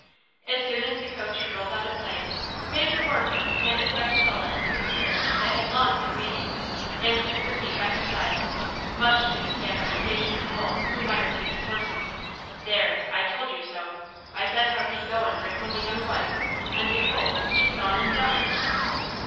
As soon as the coach had rolled out of sight Major Warfield handed Capitola into his carriage that had long been waiting, and took the seat by her side, much to the scandalization of Wool, who muttered to his horses: "There, I told you so! I said how he'd go and bring home a young wife, and behold he's gone and done it!"